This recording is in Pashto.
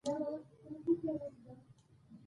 د درملو استعمال باید د ډاکتر تر نظر لاندې وي.